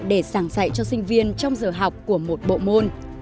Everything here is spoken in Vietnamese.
để giảng dạy cho sinh viên trong giờ học của một bộ môn